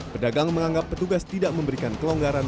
pedagang menganggap petugas tidak memberikan kelonggaran